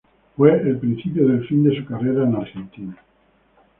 Fue el principio del fin de su carrera en Argentina.